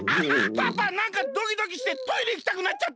パパなんかドキドキしてトイレいきたくなっちゃった！